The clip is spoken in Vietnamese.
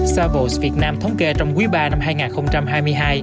savos việt nam thống kê trong quý ba năm hai nghìn hai mươi hai